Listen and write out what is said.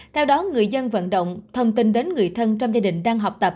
theo đó người dân vận động thông tin đến người thân trong gia đình đang học tập